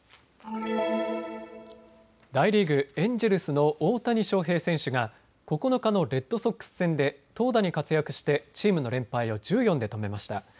大リーグ、エンジェルスの大谷翔平選手が９日のレッドソックス戦で投打に活躍してチームの連敗を１４で止めました。